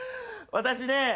私ね